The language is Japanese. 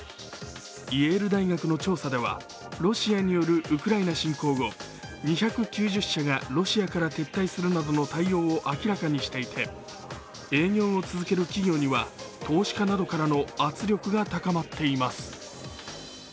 イェール大学の調査ではロシアによるウクライナ侵攻後、２９０社がロシアから撤退するなどの対応を明らかにしていて営業を続ける企業には投資家などからの圧力が高まっています。